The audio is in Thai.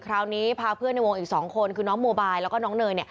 คราวนี้พาเพื่อนในวงอีก๒คนคือน้องโมบายแล้วก็น้องเนย